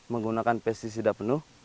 menggunakan pesticida penuh